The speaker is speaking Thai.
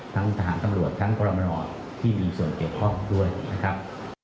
ทั้งทหารตำรวจทั้งกรมนที่มีส่วนเกี่ยวข้องด้วยนะครับ